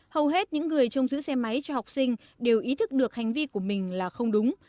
hầu hết những người trong giữ xe máy cho học sinh đều ý thức được hành vi của mình là không đúng